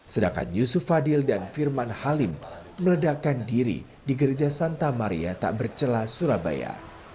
sedangkan yusuf fadil dan firman halim meledakkan diri di gereja santa maria takbercelah surabaya